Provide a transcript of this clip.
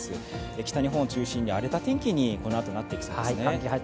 北日本を中心に荒れた天気にこの後なっていきそうですね。